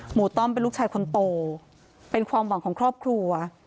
ต้อมเป็นลูกชายคนโตเป็นความหวังของครอบครัว